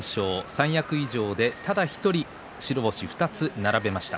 三役以上で、ただ１人白星を２つ並べました。